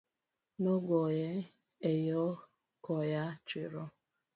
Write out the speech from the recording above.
Nogoye e yoo koyaa chiro